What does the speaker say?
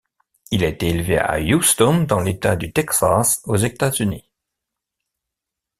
Il a été élevé à Houston dans l'État du Texas aux États-Unis.